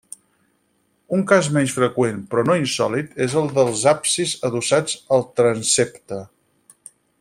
Un cas menys freqüent però no insòlit és el dels absis adossats al transsepte.